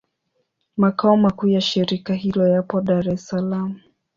Makao makuu ya shirika hilo yapo Dar es Salaam.